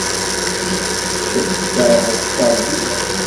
Kečč tkerheḍ tterbiya.